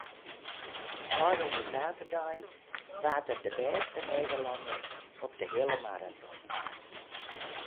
Ofrûne saterdei waard er de bêste Nederlanner op de heale maraton.